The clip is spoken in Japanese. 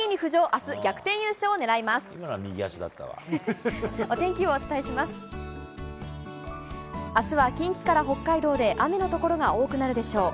あすは近畿から北海道で、雨の所が多くなるでしょう。